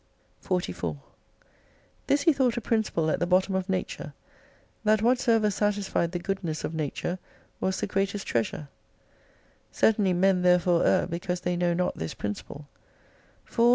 44 This he thought a principle at the bottom of Nature, That ivhaisoever satisfied the goodness of Nature, was the greatest treasure. Certainly men therefore err because they know not this principle.